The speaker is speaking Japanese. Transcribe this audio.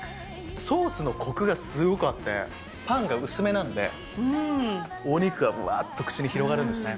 ソースのこくが、すごくあって、パンが薄めなので、お肉がわっと、口に広がるんですね。